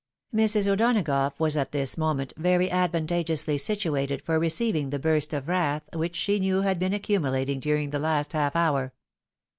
Mrs. O'Donagough was at this moment very advantageously sitiiated for receiving the burst of wrath which she knew had been accmnulating during the last half hour.